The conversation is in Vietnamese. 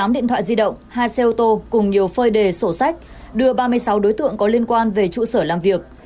một mươi điện thoại di động hai xe ô tô cùng nhiều phơi đề sổ sách đưa ba mươi sáu đối tượng có liên quan về trụ sở làm việc